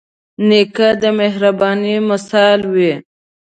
نیکه د مهربانۍ مثال وي.